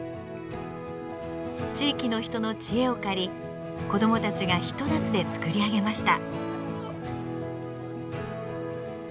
地域の人の知恵を借り子どもたちがひと夏で造り上げました。